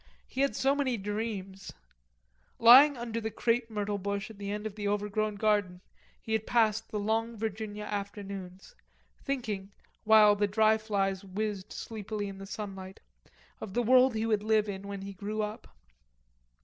He had had so many dreams; lying under the crepe myrtle bush at the end of the overgrown garden he had passed the long Virginia afternoons, thinking, while the dryflies whizzed sleepily in the sunlight, of the world he would live in when he grew up.